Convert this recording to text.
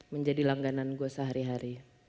menjadi langganan gue sehari hari